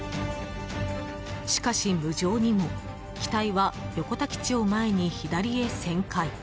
しかし、無情にも機体は横田基地を前に左へ旋回。